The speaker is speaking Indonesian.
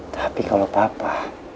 tapi kalau papa